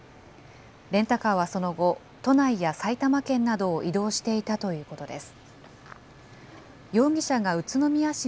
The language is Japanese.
レンタカーはその後、都内や埼玉県などを移動していたということです。